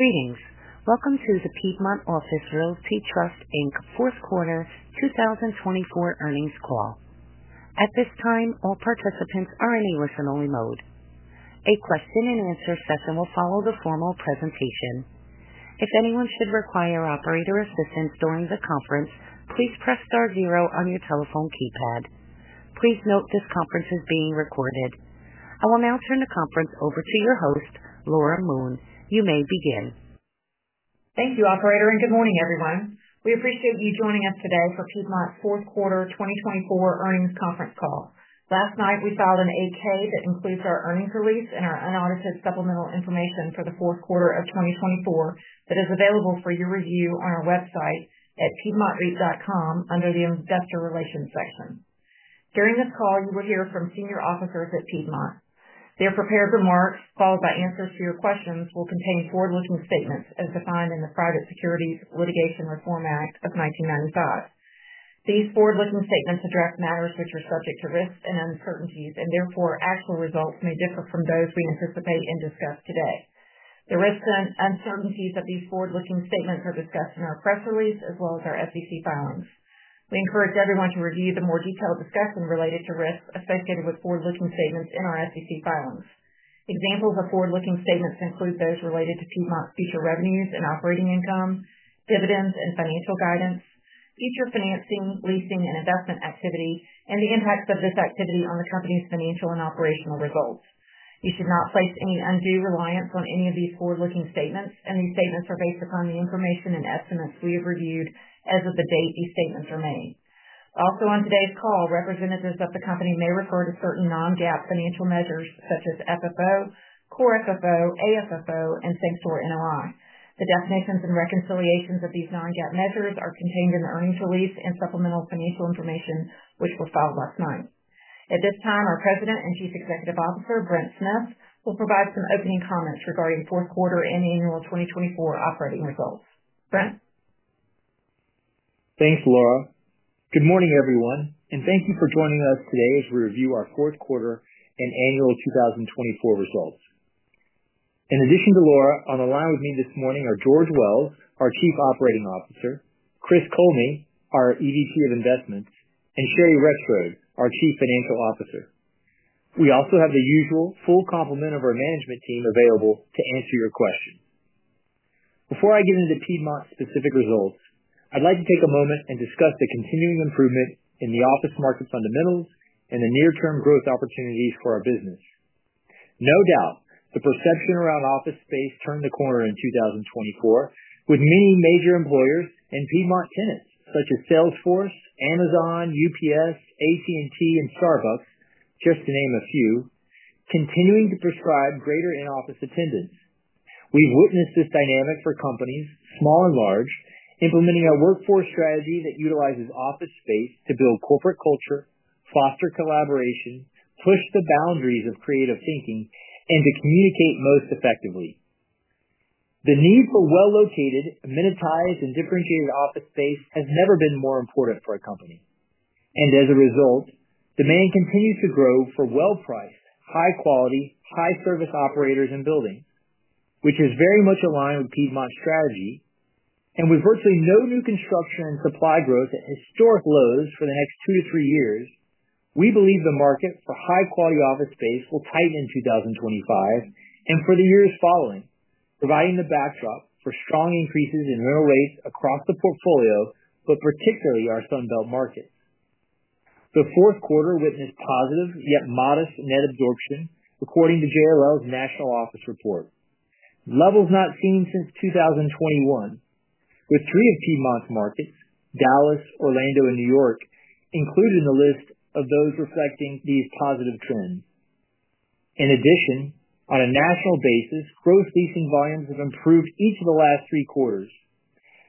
Greetings. Welcome to the Piedmont Office Realty Trust, Inc. Fourth Quarter 2024 earnings call. At this time, all participants are in a listen-only mode. A question-and-answer session will follow the formal presentation. If anyone should require operator assistance during the conference, please press star zero on your telephone keypad. Please note this conference is being recorded. I will now turn the conference over to your host, Laura Moon. You may begin. Thank you, Operator, and good morning, everyone. We appreciate you joining us today for Piedmont's Fourth Quarter 2024 earnings conference call. Last night, we filed an 8-K that includes our earnings release and our unaudited supplemental information for the Fourth Quarter of 2024 that is available for your review on our website at piedmontreit.com under the Investor Relations section. During this call, you will hear from senior officers at Piedmont. Their prepared remarks, followed by answers to your questions, will contain forward-looking statements as defined in the Private Securities Litigation Reform Act of 1995. These forward-looking statements address matters which are subject to risks and uncertainties, and therefore, actual results may differ from those we anticipate and discuss today. The risks and uncertainties of these forward-looking statements are discussed in our press release as well as our SEC filings. We encourage everyone to review the more detailed discussion related to risks associated with forward-looking statements in our SEC filings. Examples of forward-looking statements include those related to Piedmont's future revenues and operating income, dividends and financial guidance, future financing, leasing, and investment activity, and the impacts of this activity on the company's financial and operational results. You should not place any undue reliance on any of these forward-looking statements, and these statements are based upon the information and estimates we have reviewed as of the date these statements are made. Also, on today's call, representatives of the company may refer to certain non-GAAP financial measures such as FFO, Core FFO, AFFO, and Same-Store NOI. The definitions and reconciliations of these non-GAAP measures are contained in the earnings release and supplemental financial information which were filed last night. At this time, our President and Chief Executive Officer, Brent Smith, will provide some opening comments regarding Fourth Quarter and Annual 2024 operating results. Brent. Thanks, Laura. Good morning, everyone, and thank you for joining us today as we review our Fourth Quarter and Annual 2024 results. In addition to Laura, on the line with me this morning are George Wells, our Chief Operating Officer, Chris Kollme, our EVP of Investments, and Sherry Rexroad, our Chief Financial Officer. We also have the usual full complement of our management team available to answer your questions. Before I get into Piedmont's specific results, I'd like to take a moment and discuss the continuing improvement in the office market fundamentals and the near-term growth opportunities for our business. No doubt, the perception around office space turned the corner in 2024, with many major employers and Piedmont tenants such as Salesforce, Amazon, UPS, AT&T, and Starbucks, just to name a few, continuing to prescribe greater in-office attendance. We've witnessed this dynamic for companies, small and large, implementing a workforce strategy that utilizes office space to build corporate culture, foster collaboration, push the boundaries of creative thinking, and to communicate most effectively. The need for well-located, amenitized, and differentiated office space has never been more important for a company, and as a result, demand continues to grow for well-priced, high-quality, high-service operators and buildings, which is very much aligned with Piedmont's strategy, and with virtually no new construction and supply growth at historic lows for the next two to three years, we believe the market for high-quality office space will tighten in 2025 and for the years following, providing the backdrop for strong increases in rental rates across the portfolio, but particularly our Sunbelt market. The Fourth Quarter witnessed positive yet modest net absorption, according to JLL's National Office Report, levels not seen since 2021, with three of Piedmont's markets, Dallas, Orlando, and New York, included in the list of those reflecting these positive trends. In addition, on a national basis, gross leasing volumes have improved each of the last three quarters,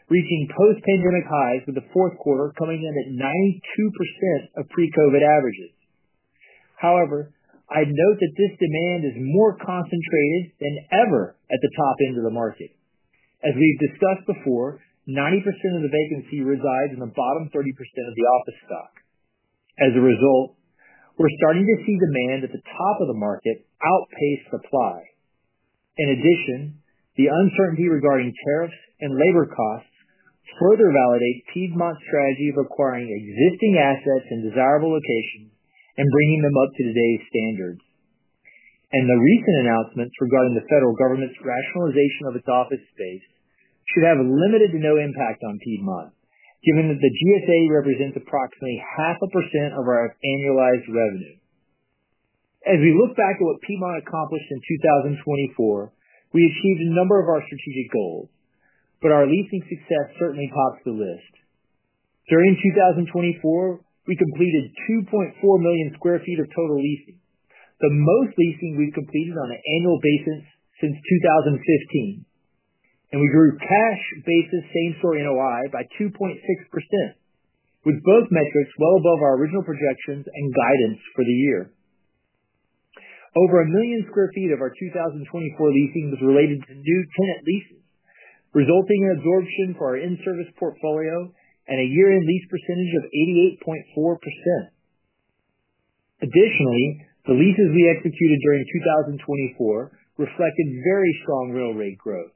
reaching post-pandemic highs, with the Fourth Quarter coming in at 92% of pre-COVID averages. However, I'd note that this demand is more concentrated than ever at the top end of the market. As we've discussed before, 90% of the vacancy resides in the bottom 30% of the office stock. As a result, we're starting to see demand at the top of the market outpace supply. In addition, the uncertainty regarding tariffs and labor costs further validates Piedmont's strategy of acquiring existing assets in desirable locations and bringing them up to today's standards. The recent announcements regarding the federal government's rationalization of its office space should have limited to no impact on Piedmont, given that the GSA represents approximately 0.5% of our annualized revenue. As we look back at what Piedmont accomplished in 2024, we achieved a number of our strategic goals, but our leasing success certainly tops the list. During 2024, we completed 2.4 million sq ft of total leasing, the most leasing we've completed on an annual basis since 2015, and we grew cash basis same-store NOI by 2.6%, with both metrics well above our original projections and guidance for the year. Over 1 million sq ft of our 2024 leasing was related to new tenant leases, resulting in absorption for our in-service portfolio and a year-end lease percentage of 88.4%. Additionally, the leases we executed during 2024 reflected very strong rental rate growth,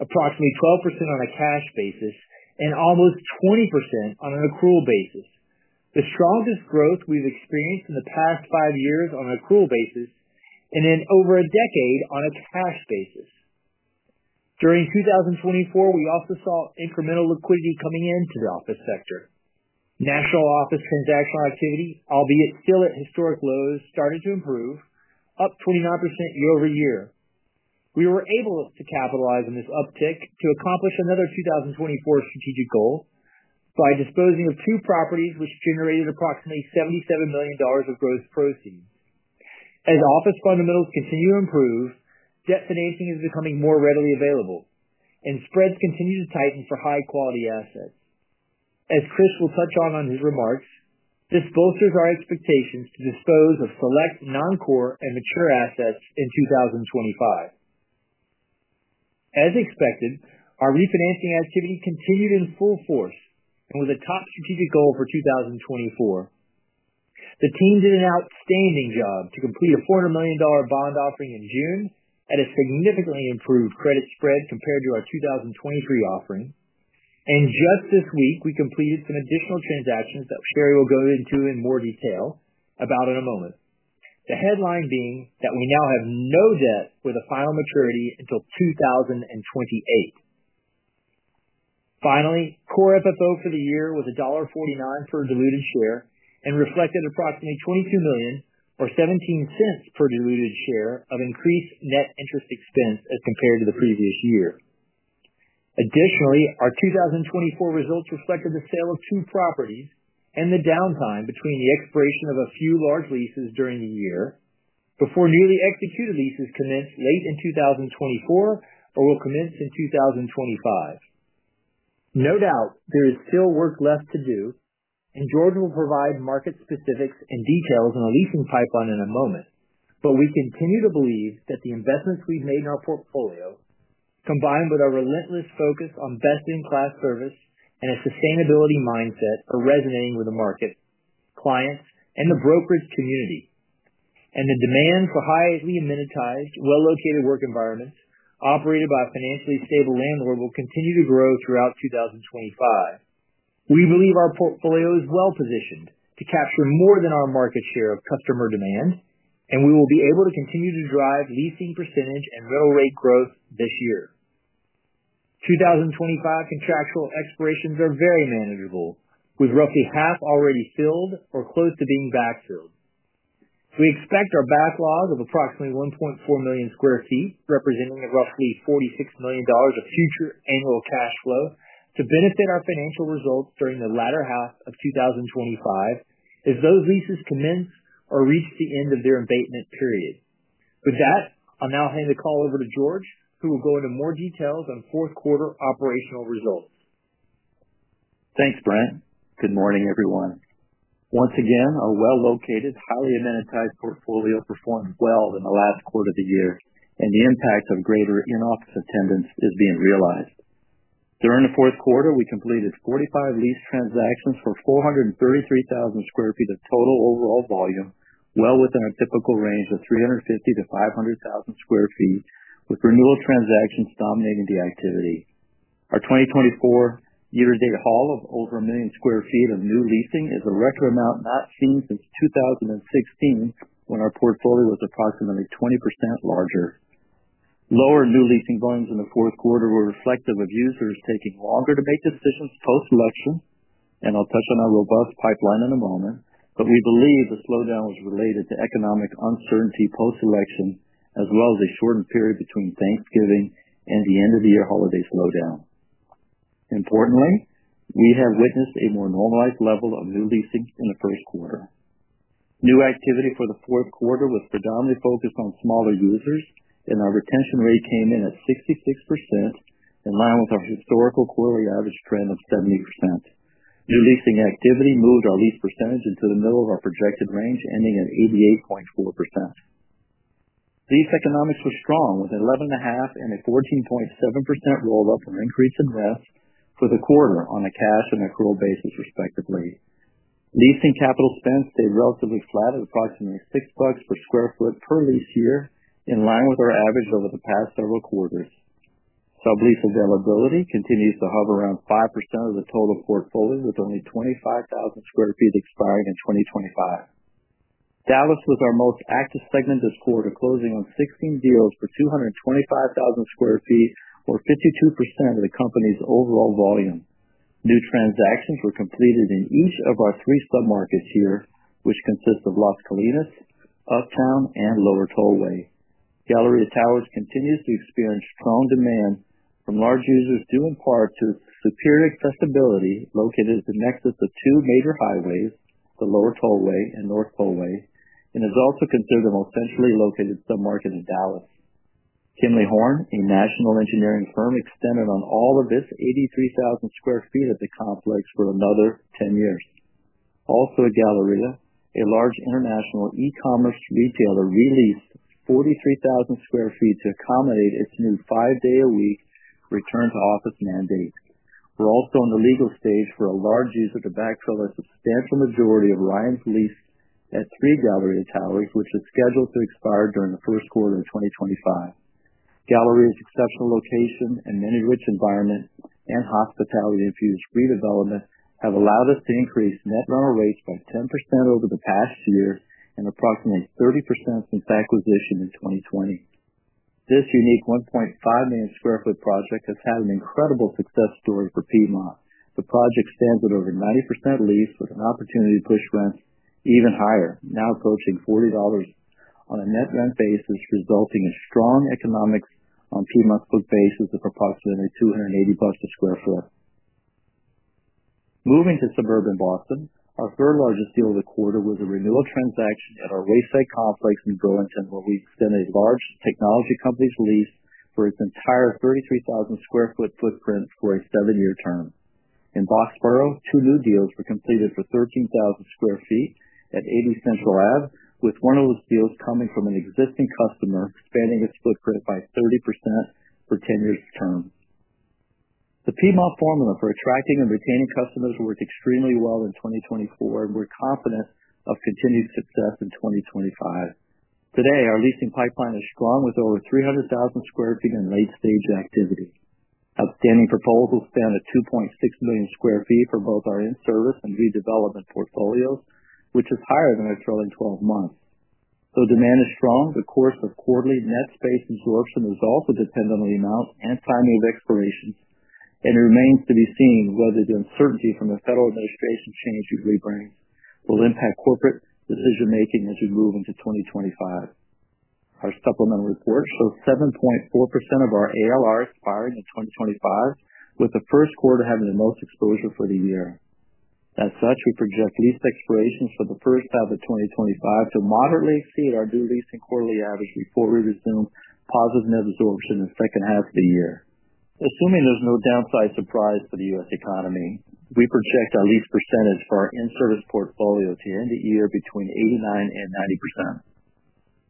approximately 12% on a cash basis and almost 20% on an accrual basis, the strongest growth we've experienced in the past five years on an accrual basis and in over a decade on a cash basis. During 2024, we also saw incremental liquidity coming into the office sector. National office transactional activity, albeit still at historic lows, started to improve, up 29% year over year. We were able to capitalize on this uptick to accomplish another 2024 strategic goal by disposing of two properties, which generated approximately $77 million of gross proceeds. As office fundamentals continue to improve, debt financing is becoming more readily available, and spreads continue to tighten for high-quality assets. As Chris will touch on in his remarks, this bolsters our expectations to dispose of select non-core and mature assets in 2025. As expected, our refinancing activity continued in full force and was a top strategic goal for 2024. The team did an outstanding job to complete a $400 million bond offering in June at a significantly improved credit spread compared to our 2023 offering, and just this week, we completed some additional transactions that Sherry will go into in more detail about in a moment, the headline being that we now have no debt with a final maturity until 2028. Finally, Core FFO for the year was $1.49 per diluted share and reflected approximately $22 million or $0.17 per diluted share of increased net interest expense as compared to the previous year. Additionally, our 2024 results reflected the sale of two properties and the downtime between the expiration of a few large leases during the year before newly executed leases commence late in 2024 or will commence in 2025. No doubt, there is still work left to do, and George will provide market specifics and details on the leasing pipeline in a moment, but we continue to believe that the investments we've made in our portfolio, combined with our relentless focus on best-in-class service and a sustainability mindset, are resonating with the market, clients, and the brokerage community, and the demand for highly amenitized, well-located work environments operated by a financially stable landlord will continue to grow throughout 2025. We believe our portfolio is well-positioned to capture more than our market share of customer demand, and we will be able to continue to drive leasing percentage and rental rate growth this year. 2025 contractual expirations are very manageable, with roughly half already filled or close to being backfilled. We expect our backlog of approximately 1.4 million sq ft, representing roughly $46 million of future annual cash flow, to benefit our financial results during the latter half of 2025 as those leases commence or reach the end of their abatement period. With that, I'll now hand the call over to George, who will go into more details on Fourth Quarter operational results. Thanks, Brent. Good morning, everyone. Once again, our well-located, highly amenitized portfolio performed well in the last quarter of the year, and the impact of greater in-office attendance is being realized. During the Fourth Quarter, we completed 45 lease transactions for 433,000 sq ft of total overall volume, well within our typical range of 350 to 500,000 sq ft, with renewal transactions dominating the activity. Our 2024 year-to-date haul of over a million sq ft of new leasing is a record amount not seen since 2016, when our portfolio was approximately 20% larger. Lower new leasing volumes in the Fourth Quarter were reflective of users taking longer to make decisions post-election, and I'll touch on our robust pipeline in a moment, but we believe the slowdown was related to economic uncertainty post-election, as well as a shortened period between Thanksgiving and the end-of-the-year holiday slowdown. Importantly, we have witnessed a more normalized level of new leasing in the First Quarter. New activity for the Fourth Quarter was predominantly focused on smaller users, and our retention rate came in at 66%, in line with our historical quarterly average trend of 70%. New leasing activity moved our lease percentage into the middle of our projected range, ending at 88.4%. Lease economics were strong, with an 11.5% and a 14.7% roll-up or increase in rents for the quarter on a cash and accrual basis, respectively. Leasing capital spend stayed relatively flat at approximately $6 per sq ft per lease year, in line with our average over the past several quarters. Sublease availability continues to hover around 5% of the total portfolio, with only 25,000 sq ft expiring in 2025. Dallas was our most active segment this quarter, closing on 16 deals for 225,000 sq ft, or 52% of the company's overall volume. New transactions were completed in each of our three submarkets here, which consist of Las Colinas, Uptown, and Lower Tollway. Galleria Towers continues to experience strong demand from large users due in part to its superior accessibility located at the nexus of two major highways, the Lower Tollway and North Tollway, and is also considered the most centrally located submarket in Dallas. Kimley-Horn, a national engineering firm, extended on all of its 83,000 sq ft of the complex for another 10 years. Also, at Galleria, a large international e-commerce retailer released 43,000 sq ft to accommodate its new five-day-a-week return-to-office mandate. We're also on the legal stage for a large user to backfill a substantial majority of Ryan's lease at Three Galleria Towers, which is scheduled to expire during the first quarter of 2025. Galleria's exceptional location and amenity-rich environment and hospitality-infused redevelopment have allowed us to increase net rental rates by 10% over the past year and approximately 30% since acquisition in 2020. This unique 1.5 million sq ft project has had an incredible success story for Piedmont. The project stands at over 90% leased, with an opportunity to push rents even higher, now approaching $40 on a net rent basis, resulting in strong economics on Piedmont's book basis of approximately $280 a sq ft. Moving to suburban Boston, our third largest deal of the quarter was a renewal transaction at our Wayside Complex in Burlington, where we extended a large technology company's lease for its entire 33,000 sq ft footprint for a seven-year term. In Boxborough, two new deals were completed for 13,000 sq ft at 80 Central Ave, with one of those deals coming from an existing customer, expanding its footprint by 30% for 10 years' term. The Piedmont formula for attracting and retaining customers worked extremely well in 2024, and we're confident of continued success in 2025. Today, our leasing pipeline is strong, with over 300,000 sq ft in late-stage activity. Outstanding proposals span a 2.6 million sq ft for both our in-service and redevelopment portfolios, which is higher than our trailing 12 months. Though demand is strong, the course of quarterly net space absorption is also dependent on the amount and timing of expirations, and it remains to be seen whether the uncertainty from the federal administration change usually brings will impact corporate decision-making as we move into 2025. Our supplemental report shows 7.4% of our ALR expiring in 2025, with the First Quarter having the most exposure for the year. As such, we project lease expirations for the first half of 2025 to moderately exceed our new leasing quarterly average before we resume positive net absorption in the second half of the year. Assuming there's no downside surprise for the U.S. economy, we project our lease percentage for our in-service portfolio to end the year between 89% and 90%.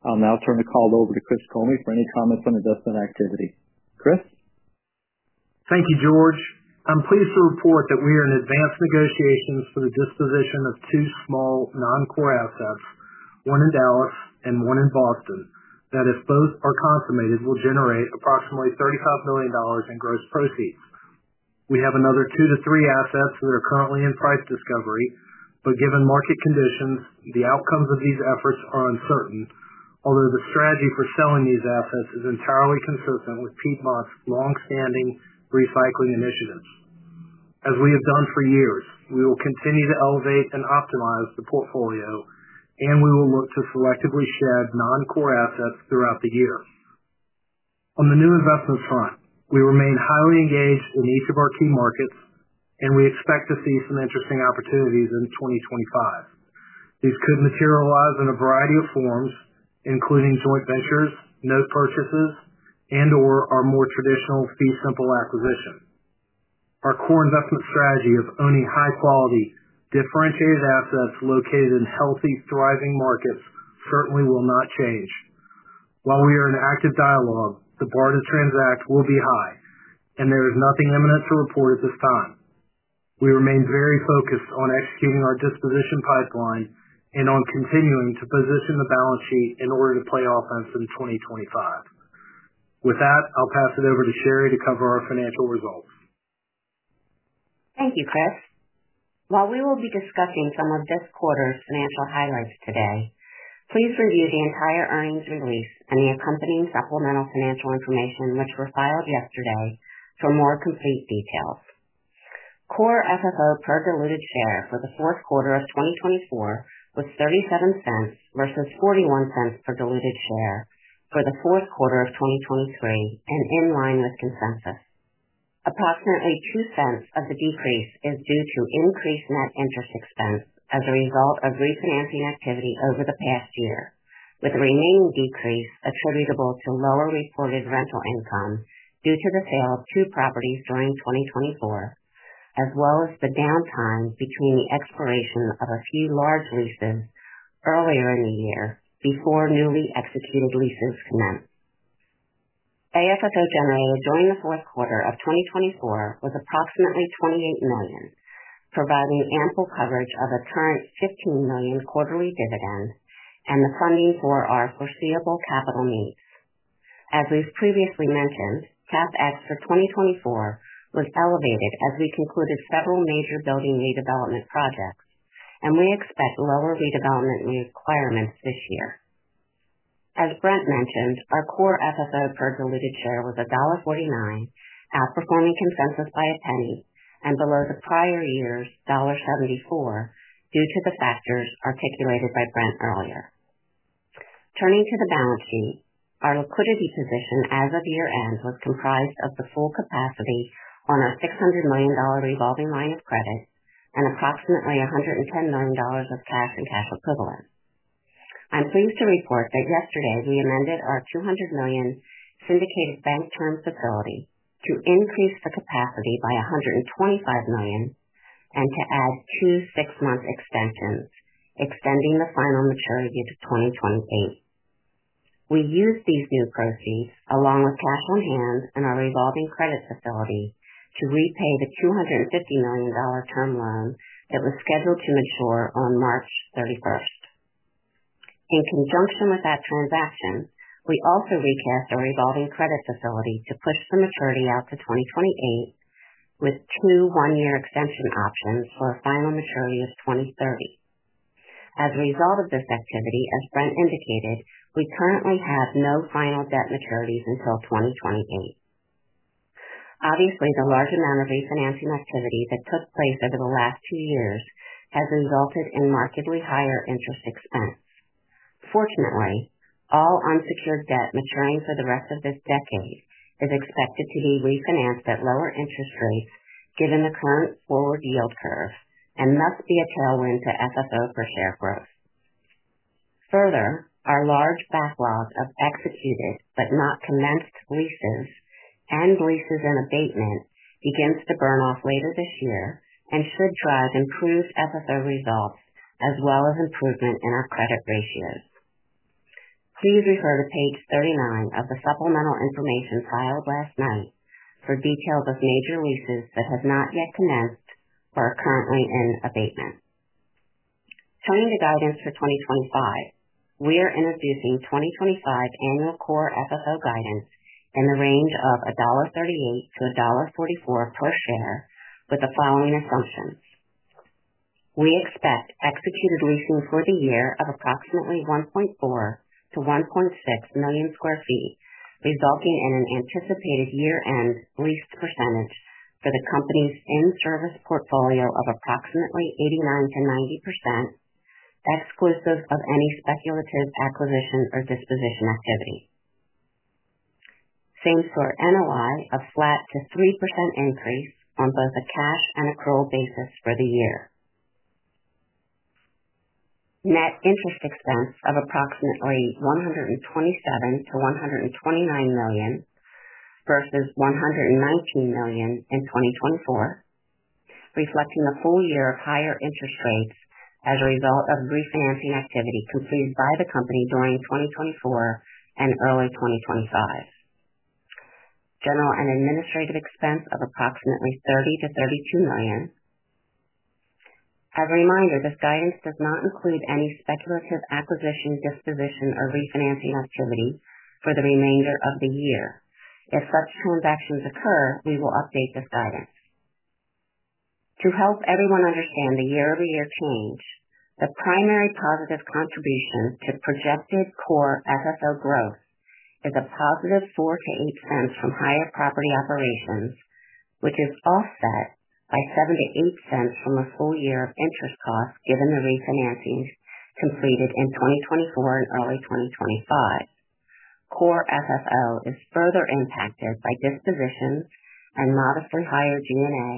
I'll now turn the call over to Chris Kollme for any comments on investment activity. Chris? Thank you, George. I'm pleased to report that we are in advanced negotiations for the disposition of two small non-core assets, one in Dallas and one in Boston, that if both are consummated, will generate approximately $35 million in gross proceeds. We have another two to three assets that are currently in price discovery, but given market conditions, the outcomes of these efforts are uncertain, although the strategy for selling these assets is entirely consistent with Piedmont's longstanding recycling initiatives. As we have done for years, we will continue to elevate and optimize the portfolio, and we will look to selectively shed non-core assets throughout the year. On the new investments front, we remain highly engaged in each of our key markets, and we expect to see some interesting opportunities in 2025. These could materialize in a variety of forms, including joint ventures, note purchases, and/or our more traditional fee-simple acquisition. Our core investment strategy of owning high-quality, differentiated assets located in healthy, thriving markets certainly will not change. While we are in active dialogue, the bar to transact will be high, and there is nothing imminent to report at this time. We remain very focused on executing our disposition pipeline and on continuing to position the balance sheet in order to play offense in 2025. With that, I'll pass it over to Sherry to cover our financial results. Thank you, Chris. While we will be discussing some of this quarter's financial highlights today, please review the entire earnings release and the accompanying supplemental financial information, which were filed yesterday, for more complete details. Core FFO per diluted share for the Fourth Quarter of 2024 was $0.37 versus $0.41 per diluted share for the Fourth Quarter of 2023, and in line with consensus. Approximately $0.02 of the decrease is due to increased net interest expense as a result of refinancing activity over the past year, with the remaining decrease attributable to lower reported rental income due to the sale of two properties during 2024, as well as the downtime between the expiration of a few large leases earlier in the year before newly executed leases commence. AFFO generated during the Fourth Quarter of 2024 was approximately $28 million, providing ample coverage of a current $15 million quarterly dividend and the funding for our foreseeable capital needs. As we've previously mentioned, CapEx for 2024 was elevated as we concluded several major building redevelopment projects, and we expect lower redevelopment requirements this year. As Brent mentioned, our core FFO per diluted share was $1.49, outperforming consensus by a penny, and below the prior year's $1.74 due to the factors articulated by Brent earlier. Turning to the balance sheet, our liquidity position as of year-end was comprised of the full capacity on our $600 million revolving line of credit and approximately $110 million of cash and cash equivalents. I'm pleased to report that yesterday we amended our $200 million syndicated bank term facility to increase the capacity by $125 million and to add two six-month extensions, extending the final maturity to 2028. We used these new proceeds, along with cash on hand in our revolving credit facility, to repay the $250 million term loan that was scheduled to mature on March 31st. In conjunction with that transaction, we also recast our revolving credit facility to push the maturity out to 2028, with two one-year extension options for a final maturity of 2030. As a result of this activity, as Brent indicated, we currently have no final debt maturities until 2028. Obviously, the large amount of refinancing activity that took place over the last two years has resulted in markedly higher interest expense. Fortunately, all unsecured debt maturing for the rest of this decade is expected to be refinanced at lower interest rates given the current forward yield curve and must be a tailwind to FFO per share growth. Further, our large backlog of executed but not commenced leases and leases in abatement begins to burn off later this year and should drive improved FFO results as well as improvement in our credit ratios. Please refer to page 39 of the supplemental information filed last night for details of major leases that have not yet commenced or are currently in abatement. Turning to guidance for 2025, we are introducing 2025 annual Core FFO guidance in the range of $1.38 to $1.44 per share with the following assumptions. We expect executed leasing for the year of approximately 1.4-1.6 million sq ft, resulting in an anticipated year-end lease percentage for the company's in-service portfolio of approximately 89%-90%, exclusive of any speculative acquisition or disposition activity. Same Store NOI of flat to 3% increase on both a cash and accrual basis for the year. Net interest expense of approximately $127-$129 million versus $119 million in 2024, reflecting a full year of higher interest rates as a result of refinancing activity completed by the company during 2024 and early 2025. General and administrative expense of approximately $30-$32 million. As a reminder, this guidance does not include any speculative acquisition, disposition, or refinancing activity for the remainder of the year. If such transactions occur, we will update this guidance. To help everyone understand the year-over-year change, the primary positive contribution to projected Core FFO growth is positive $0.04-$0.08 from higher property operations, which is offset by $0.07-$0.08 from a full year of interest costs given the refinancing completed in 2024 and early 2025. Core FFO is further impacted by disposition and modestly higher G&A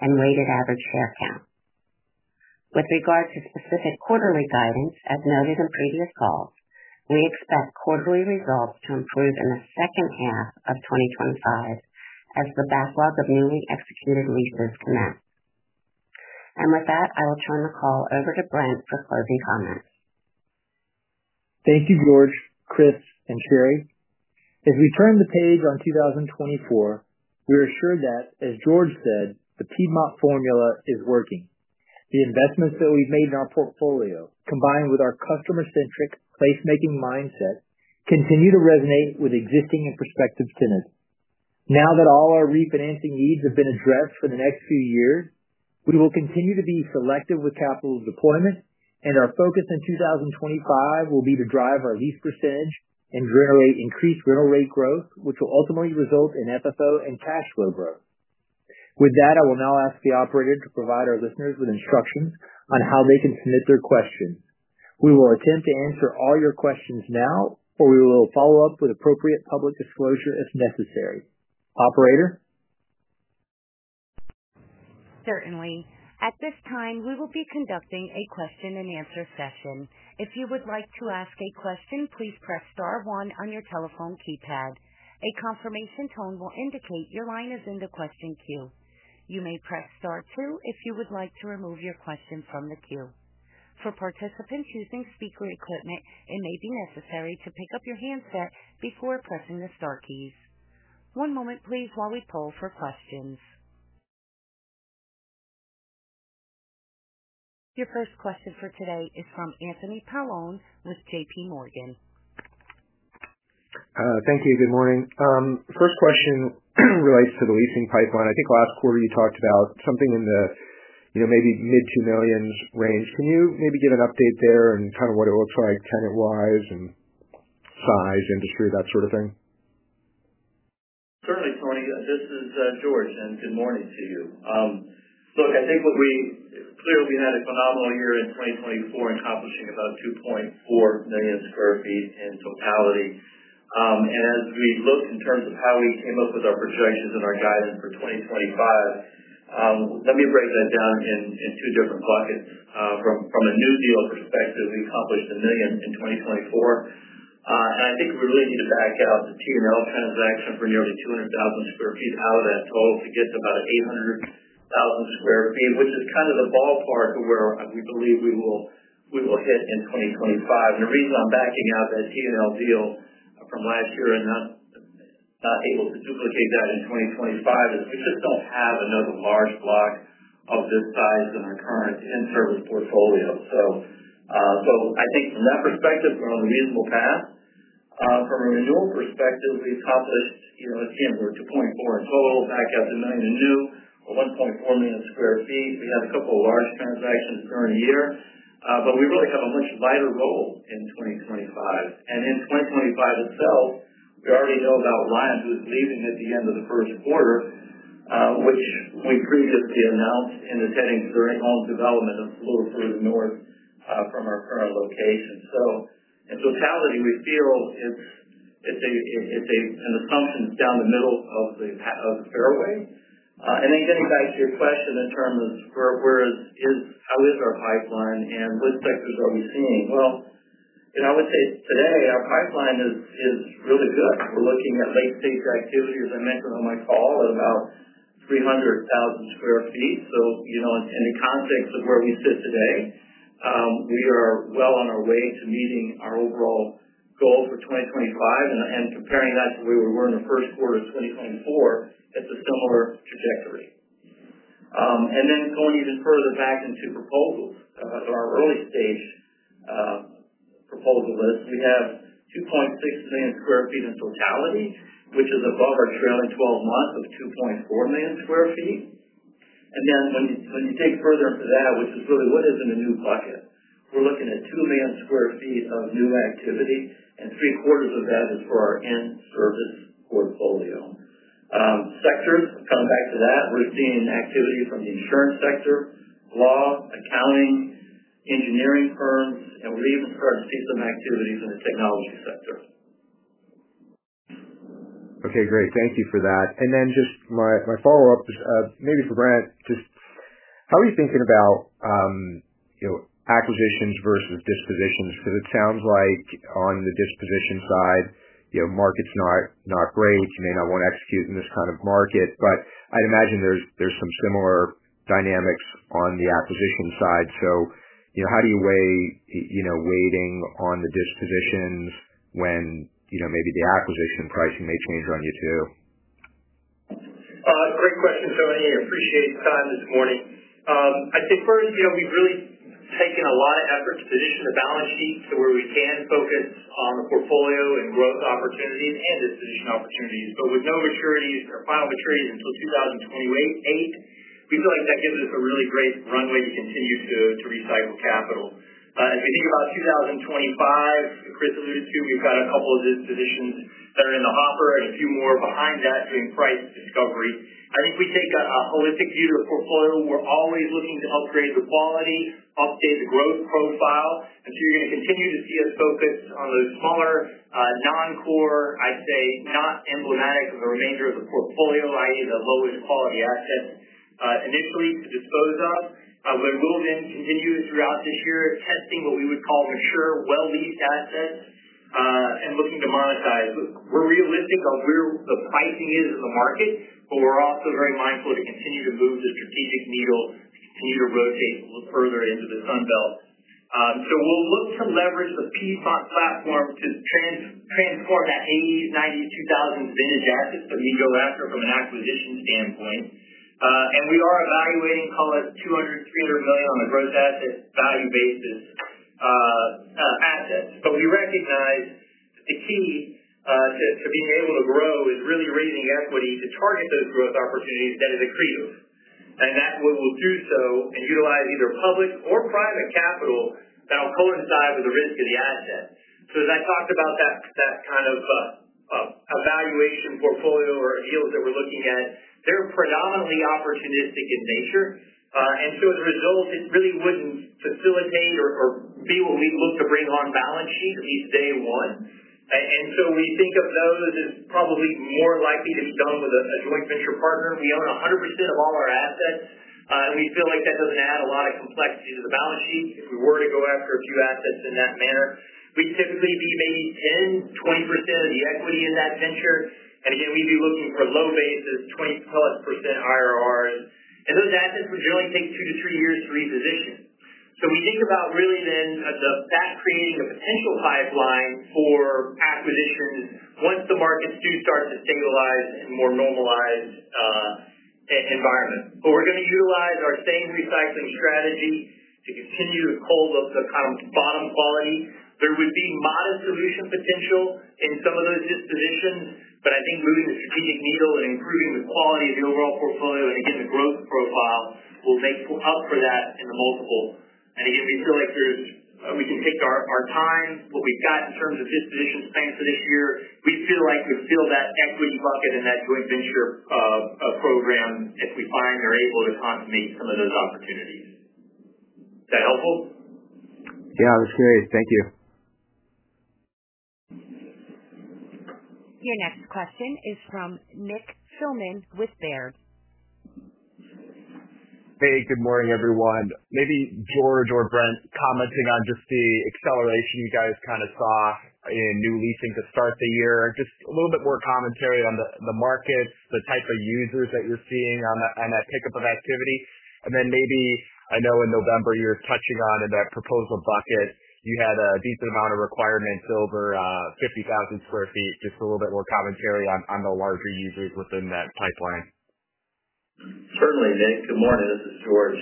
and weighted average share count. With regard to specific quarterly guidance, as noted in previous calls, we expect quarterly results to improve in the second half of 2025 as the backlog of newly executed leases commence. And with that, I will turn the call over to Brent for closing comments. Thank you, George, Chris, and Sherry. As we turn the page on 2024, we are sure that, as George said, the Piedmont Formula is working. The investments that we've made in our portfolio, combined with our customer-centric placemaking mindset, continue to resonate with existing and prospective tenants. Now that all our refinancing needs have been addressed for the next few years, we will continue to be selective with capital deployment, and our focus in 2025 will be to drive our lease percentage and generate increased rental rate growth, which will ultimately result in FFO and cash flow growth. With that, I will now ask the operator to provide our listeners with instructions on how they can submit their questions. We will attempt to answer all your questions now, or we will follow up with appropriate public disclosure if necessary. Operator? Certainly. At this time, we will be conducting a question-and-answer session. If you would like to ask a question, please press star one on your telephone keypad. A confirmation tone will indicate your line is in the question queue. You may press star two if you would like to remove your question from the queue. For participants using speaker equipment, it may be necessary to pick up your handset before pressing the star keys. One moment, please, while we poll for questions. Your first question for today is from Anthony Paolone with JP Morgan. Thank you. Good morning. First question relates to the leasing pipeline. I think last quarter you talked about something in the maybe mid-two million range. Can you maybe give an update there and kind of what it looks like, tenant-wise and size, industry, that sort of thing? Certainly, Tony. This is George, and good morning to you. Look, I think we clearly had a phenomenal year in 2024, accomplishing about 2.4 million sq ft in totality, and as we look in terms of how we came up with our projections and our guidance for 2025, let me break that down in two different buckets. From a new deal perspective, we accomplished 1 million in 2024, and I think we really need to back out the T&L transaction for nearly 200,000 sq ft out of that total to get to about 800,000 sq ft, which is kind of the ballpark of where we believe we will hit in 2025, and the reason I'm backing out that T&L deal from last year and not able to duplicate that in 2025 is we just don't have another large block of this size in our current in-service portfolio. I think from that perspective, we're on a reasonable path. From a renewal perspective, we accomplished, as you can see, 2.4 million in total, back out 1 million in new, 1.4 million sq ft. We had a couple of large transactions during the year, but we really have a much lighter roll in 2025. In 2025 itself, we already know about Ryan, who's leaving at the end of the first quarter, which we previously announced and is heading to their own development a little further north from our current location. In totality, we feel it's an assumption down the middle of the fairway. Then getting back to your question in terms of how is our pipeline and what sectors are we seeing? I would say today our pipeline is really good. We're looking at late-stage activity, as I mentioned on my call, at about 300,000 sq ft. So in the context of where we sit today, we are well on our way to meeting our overall goal for 2025. And comparing that to where we were in the first quarter of 2024, it's a similar trajectory. And then going even further back into proposals, our early-stage proposal list, we have 2.6 million sq ft in totality, which is above our trailing 12 months of 2.4 million sq ft. And then when you dig further into that, which is really what is in the new bucket, we're looking at 2 million sq ft of new activity, and three-quarters of that is for our in-service portfolio. Sectors, coming back to that, we're seeing activity from the insurance sector, law, accounting, engineering firms, and we're even starting to see some activity from the technology sector. Okay, great. Thank you for that. And then just my follow-up, maybe for Brent, just how are you thinking about acquisitions versus dispositions? Because it sounds like on the disposition side, market's not great. You may not want to execute in this kind of market. But I'd imagine there's some similar dynamics on the acquisition side. So how do you weigh weighting on the dispositions when maybe the acquisition pricing may change on you too? Great question, Tony. I appreciate the time this morning. I think first, we've really taken a lot of effort to position the balance sheet to where we can focus on the portfolio and growth opportunities and disposition opportunities. But with no maturities or final maturities until 2028, we feel like that gives us a really great runway to continue to recycle capital. As we think about 2025, Chris alluded to, we've got a couple of dispositions that are in the hopper and a few more behind that doing price discovery. I think we take a holistic view to the portfolio. We're always looking to upgrade the quality, update the growth profile. And so you're going to continue to see us focus on those smaller non-core, I'd say not emblematic of the remainder of the portfolio, i.e., the lowest quality assets initially to dispose of. But we'll then continue throughout this year testing what we would call mature, well-leased assets and looking to monetize. We're realistic on where the pricing is in the market, but we're also very mindful to continue to move the strategic needle, continue to rotate further into the Sunbelt. So we'll look to leverage the Piedmont platform to transform that '80s, '90s, 2000s vintage assets that we go after from an acquisition standpoint. And we are evaluating, call it $200-$300 million on a gross asset value basis assets. But we recognize that the key to being able to grow is really raising equity to target those growth opportunities that are accretive. And that we will do so and utilize either public or private capital that will coincide with the risk of the asset. So as I talked about that kind of evaluation portfolio or deals that we're looking at, they're predominantly opportunistic in nature. And so as a result, it really wouldn't facilitate or be what we'd look to bring on balance sheet at least day one. And so we think of those as probably more likely to be done with a joint venture partner. We own 100% of all our assets. We feel like that doesn't add a lot of complexity to the balance sheet if we were to go after a few assets in that manner. We'd typically be maybe 10-20% of the equity in that venture. And again, we'd be looking for low basis, 20+% IRRs. And those assets would generally take two to three years to reposition. We think about really then that creating a potential pipeline for acquisitions once the markets do start to stabilize in a more normalized environment. But we're going to utilize our same recycling strategy to continue to cull the kind of bottom quality. There would be modest solution potential in some of those dispositions, but I think moving the strategic needle and improving the quality of the overall portfolio, and again, the growth profile will make up for that in the multiple, and again, we feel like we can take our time, what we've got in terms of disposition plans for this year. We feel like we fill that equity bucket in that joint venture program if we find they're able to consummate some of those opportunities. Is that helpful? Yeah, that's great. Thank you. Your next question is from Nick Thillman with Baird. Hey, good morning, everyone. Maybe George or Brent commenting on just the acceleration you guys kind of saw in new leasing to start the year. Just a little bit more commentary on the markets, the type of users that you're seeing on that pickup of activity. And then maybe I know in November you're touching on in that proposal bucket, you had a decent amount of requirements over 50,000 sq ft. Just a little bit more commentary on the larger users within that pipeline. Certainly, Nick. Good morning. This is George.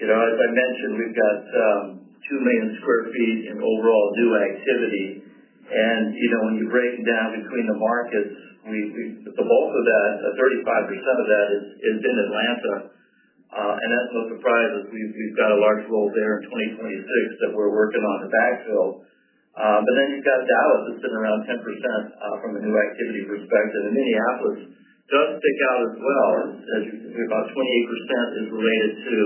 As I mentioned, we've got 2 million sq ft in overall new activity, and when you break it down between the markets, the bulk of that, 35% of that, is in Atlanta, and that's no surprise as we've got a large roll there in 2026 that we're working on to backfill, but then you've got Dallas that's been around 10% from a new activity perspective, and Minneapolis does stick out as well. About 28% is related to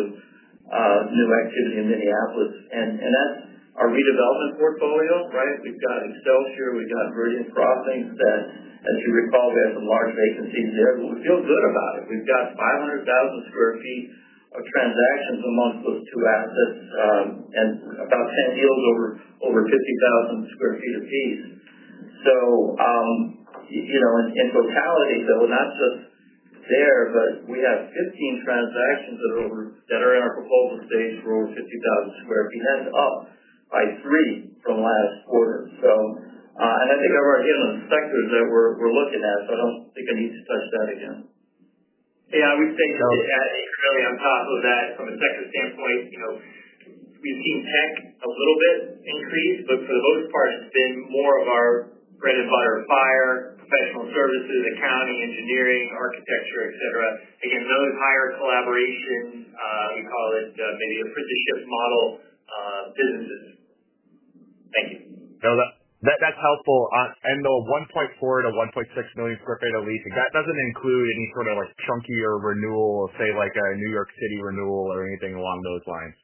new activity in Minneapolis, and that's our redevelopment portfolio, right? We've got Excelsior, we've got Meridian Crossings that, as you recall, we have some large vacancies there, but we feel good about it. We've got 500,000 sq ft of transactions amongst those two assets and about 10 deals over 50,000 sq ft apiece. So in totality, though, we're not just there, but we have 15 transactions that are in our proposal stage for over 50,000 sq ft. That's up by three from last quarter. And I think I've already hit on the sectors that we're looking at, so I don't think I need to touch that again. Yeah, I would say just to add, really on top of that, from a sector standpoint, we've seen tech a little bit increase, but for the most part, it's been more of our bread-and-butter firms, professional services, accounting, engineering, architecture, etc. Again, those higher collaborations, we call it maybe a franchise model, businesses. Thank you. No, that's helpful. And the 1.4-1.6 million sq ft of leasing, that doesn't include any sort of chunkier renewal, say like a New York City renewal or anything along those lines?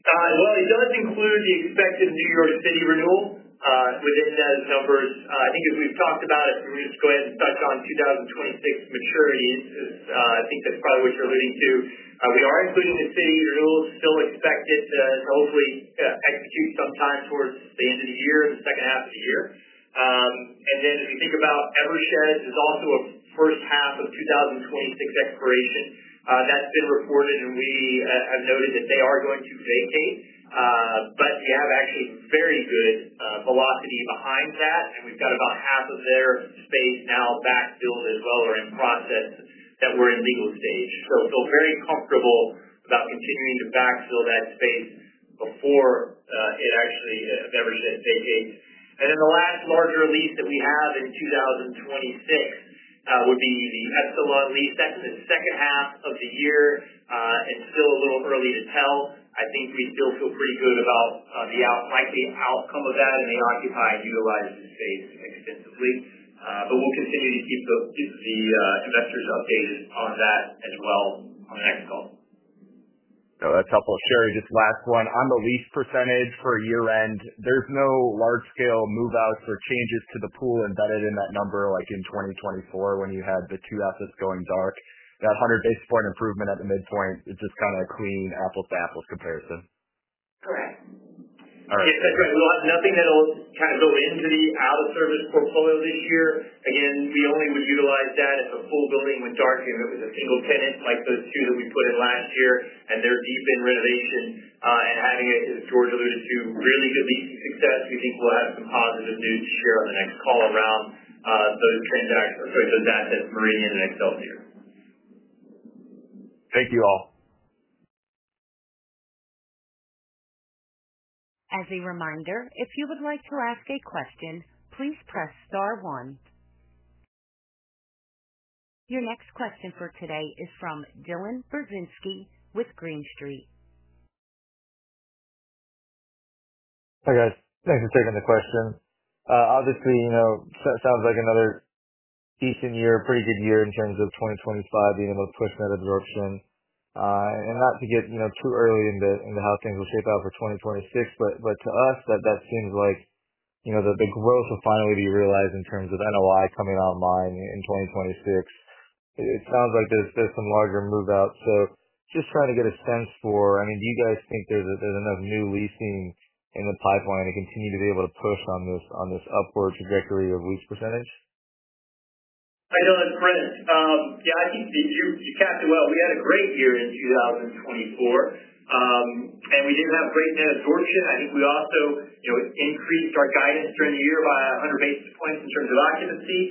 It does include the expected New York City renewal. Within those numbers, I think as we've talked about it, we'll just go ahead and touch on 2026 maturities. I think that's probably what you're alluding to. We are including the City renewals, still expected to hopefully execute sometime towards the end of the year, the second half of the year. And then as we think about Eversheds, it's also a first half of 2026 expiration. That's been reported, and we have noted that they are going to vacate. But we have actually very good velocity behind that. And we've got about half of their space now backfilled as well or in process that we're in legal stage. So feel very comfortable about continuing to backfill that space before Eversheds actually vacates. And then the last larger lease that we have in 2026 would be the Epsilon lease. That's the second half of the year. It's still a little early to tell. I think we still feel pretty good about the likely outcome of that, and they occupy and utilize the space extensively. But we'll continue to keep the investors updated on that as well on the next call. No, that's helpful. Sherry, just last one. On the lease percentage for year-end, there's no large-scale move-outs or changes to the pool embedded in that number like in 2024 when you had the two assets going dark. That 100 basis point improvement at the midpoint is just kind of a clean apples-to-apples comparison. Correct. Yes, that's right. We'll have nothing that'll kind of go into the out-of-service portfolio this year. Again, we only would utilize that if a full building went dark, if it was a single tenant like those two that we put in last year, and they're deep in renovation, and having, as George alluded to, really good leasing success, we think we'll have some positive news to share on the next call around those transactions, sorry, those assets Meridian and Excelsior. Thank you all. As a reminder, if you would like to ask a question, please press star one. Your next question for today is from Dylan Burzinski with Green Street. Hi guys. Thanks for taking the question. Obviously, sounds like another decent year, pretty good year in terms of 2025 being able to push that absorption. And not to get too early into how things will shape out for 2026, but to us, that seems like the growth will finally be realized in terms of NOI coming online in 2026. It sounds like there's some larger move-outs. So just trying to get a sense for, I mean, do you guys think there's enough new leasing in the pipeline to continue to be able to push on this upward trajectory of lease percentage? I know that, Brent. Yeah, I think you capped it well. We had a great year in 2024. And we did have great net absorption. I think we also increased our guidance during the year by 100 basis points in terms of occupancy.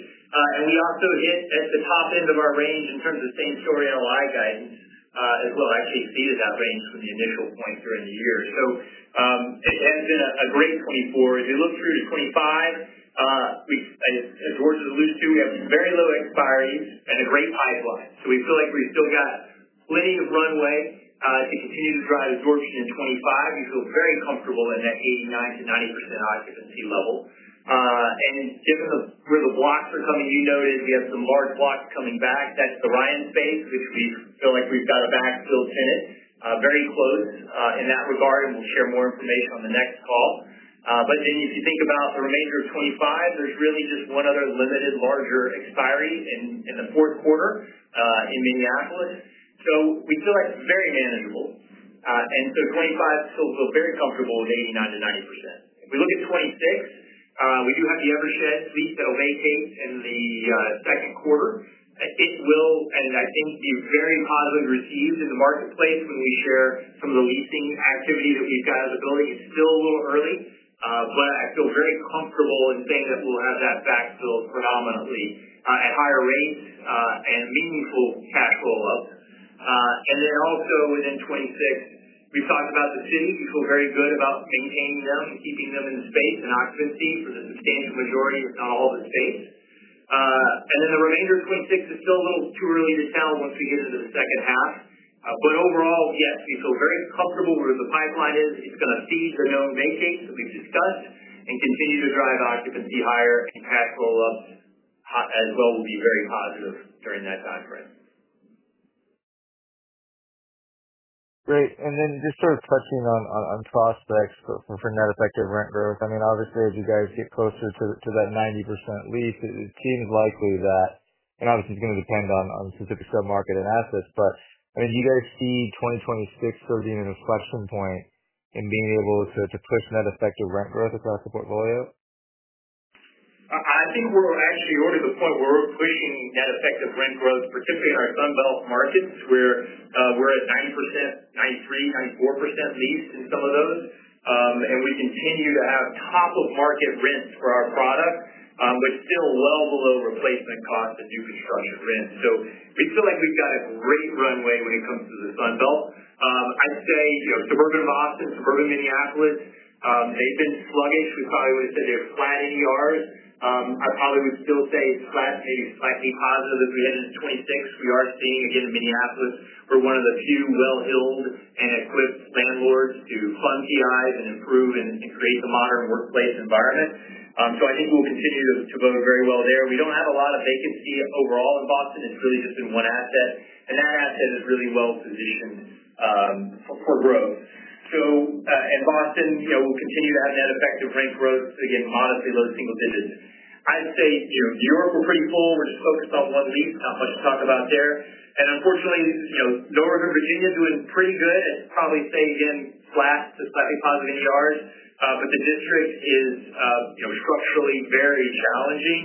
And we also hit at the top end of our range in terms of the same store NOI guidance as well. Actually exceeded that range from the initial point during the year. So it has been a great 2024. As we look through to 2025, as George has alluded to, we have some very low expiry and a great pipeline. So we feel like we've still got plenty of runway to continue to drive absorption in 2025. We feel very comfortable in that 89%-90% occupancy level. And given where the blocks are coming, you noted we have some large blocks coming back. That's the Ryan space, which we feel like we've got a backfill tenant. Very close in that regard, and we'll share more information on the next call. But then if you think about the remainder of 2025, there's really just one other limited larger expiry in the fourth quarter in Minneapolis. So we feel like it's very manageable. And so 2025 still feels very comfortable with 89%-90%. If we look at 2026, we do have the Eversheds lease that will vacate in the second quarter. It will, and I think, be very positively received in the marketplace when we share some of the leasing activity that we've got as a building. It's still a little early, but I feel very comfortable in saying that we'll have that backfilled predominantly at higher rates and meaningful cash roll-up. And then also within 2026, we've talked about the city. We feel very good about maintaining them and keeping them in the space and occupancy for the substantial majority, if not all the space, and then the remainder of 2026 is still a little too early to tell once we get into the second half, but overall, yes, we feel very comfortable where the pipeline is. It's going to feed the known vacates that we've discussed and continue to drive occupancy higher and cash roll-ups as well will be very positive during that time frame. Great, and then just sort of touching on prospects for net effective rent growth. I mean, obviously, as you guys get closer to that 90% lease, it seems likely that, and obviously, it's going to depend on specific sub-market and assets, but I mean, do you guys see 2026 sort of being an inflection point in being able to push net effective rent growth across the portfolio? I think we're actually already to the point where we're pushing net effective rent growth, particularly in our Sunbelt markets where we're at 90%, 93%, 94% leased in some of those. and we continue to have top-of-market rents for our product, but still well below replacement costs and new construction rents. so we feel like we've got a great runway when it comes to the Sunbelt. I'd say suburban Boston, suburban Minneapolis, they've been sluggish. We probably would have said they're flat in the rates. I probably would still say it's flat, maybe slightly positive as we head into 2026. We are seeing, again, in Minneapolis, we're one of the few well-heeled and equipped landlords to fund TI's and improve and create the modern workplace environment. so I think we'll continue to bode very well there. We don't have a lot of vacancy overall in Boston. It's really just been one asset, and that asset is really well-positioned for growth, so in Boston, we'll continue to have net effective rent growth, again, modestly low single digits. I'd say New York we're pretty full. We're just focused on one lease, not much to talk about there, and unfortunately, Northern Virginia is doing pretty good. I'd probably say, again, flat to slightly positive in the rates, but The District is structurally very challenging.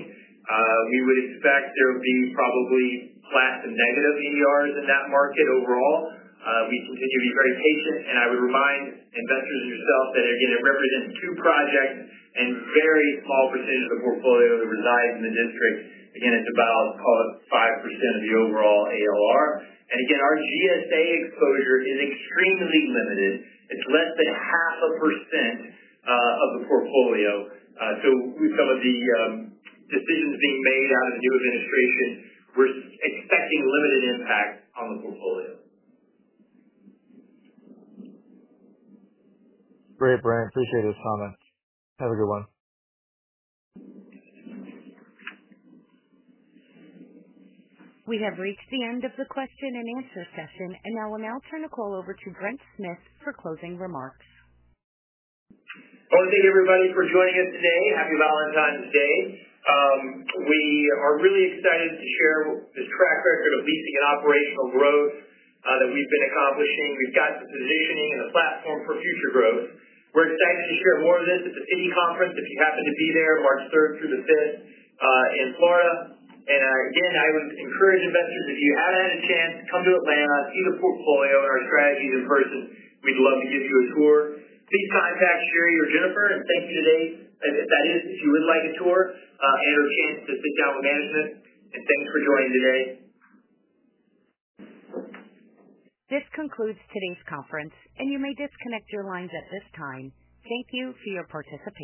We would expect there would be probably flat to negative in the rates in that market overall. We continue to be very patient, and I would remind investors and yourself that, again, it represents two projects and very small percentage of the portfolio that resides in The District. Again, it's about 5% of the overall ALR, and again, our GSA exposure is extremely limited. It's less than half a percent of the portfolio. So with some of the decisions being made out of the new administration, we're expecting limited impact on the portfolio. Great, Brent. Appreciate his comments. Have a good one. We have reached the end of the question and answer session, and now I'll turn the call over to Brent Smith for closing remarks. Thank everybody for joining us today. Happy Valentine's Day. We are really excited to share this track record of leasing and operational growth that we've been accomplishing. We've got the positioning and the platform for future growth. We're excited to share more of this at the Citi conference if you happen to be there, March 3rd through the 5th in Florida. Again, I would encourage investors, if you haven't had a chance, come to Atlanta, see the portfolio and our strategies in person. We'd love to give you a tour. Please contact Sherry or Jennifer, and thank you today. If that is, if you would like a tour and/or a chance to sit down with management. Thanks for joining today. This concludes today's conference, and you may disconnect your lines at this time. Thank you for your participation.